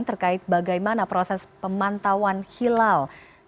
terkait bagaimana proses pemantauan hilal